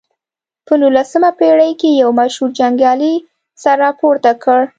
په نولسمه پېړۍ کې یو مشهور جنګیالي سر راپورته کړ.